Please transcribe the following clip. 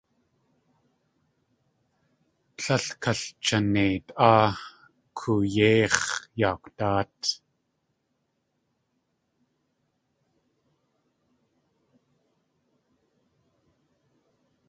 Tlél kalchaneit áa koo.éix̲ Yaakwdáat.